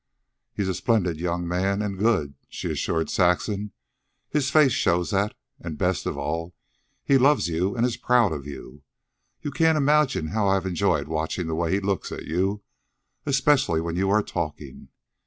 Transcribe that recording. "He's a splendid young man, and good," she assured Saxon. "His face shows that. And, best of all, he loves you and is proud of you. You can't imagine how I have enjoyed watching the way he looks at you, especially when you are talking.